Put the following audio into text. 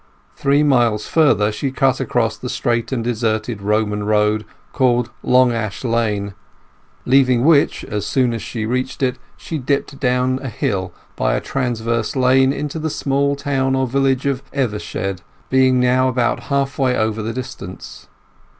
Three miles further she cut across the straight and deserted Roman road called Long Ash Lane; leaving which as soon as she reached it she dipped down a hill by a transverse lane into the small town or village of Evershead, being now about halfway over the distance.